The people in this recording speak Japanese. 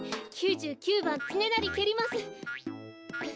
９９ばんつねなりけります。